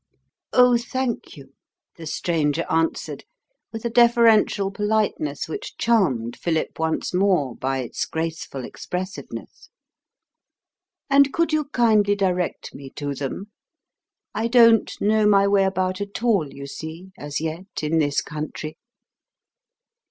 "Oh, thank you," the stranger answered, with a deferential politeness which charmed Philip once more by its graceful expressiveness. "And could you kindly direct me to them? I don't know my way about at all, you see, as yet, in this country."